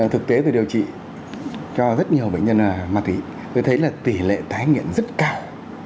thực tế tôi điều trị cho rất nhiều bệnh nhân mạc thủy tôi thấy là tỷ lệ tái nghiện rất cao